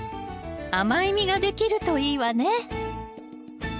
甘い実ができるといいわね。